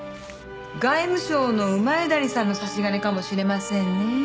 外務省の谷さんの差し金かもしれませんねえ。